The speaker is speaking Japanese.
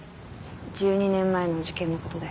１２年前の事件のことで。